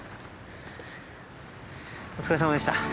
お疲れさまでした。